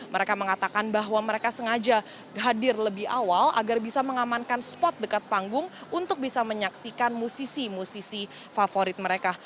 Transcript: mereka mengatakan bahwa mereka sengaja hadir lebih awal agar bisa mengamankan spot dekat panggung untuk bisa menyaksikan musisi musisi favorit mereka